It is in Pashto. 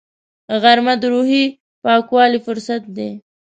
غرمه د روحي پاکوالي فرصت دی